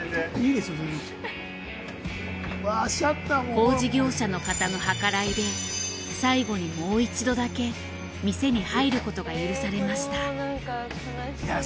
工事業者の方の計らいで最後にもう一度だけ店に入ることが許されました。